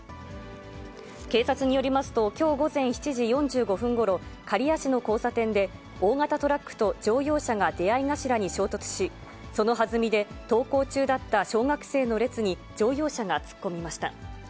警察によりますと、きょう午前７時４５分ごろ、刈谷市の交差点で、大型トラックと乗用車が出合い頭に衝突し、そのはずみで登校中だった小学生の列に乗用車が突っ込みました。